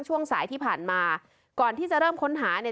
ช่วงสายที่ผ่านมาก่อนที่จะเริ่มค้นหาเนี่ย